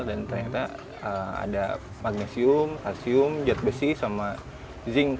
dan ternyata ada magnesium kalsium jad besi dan zinc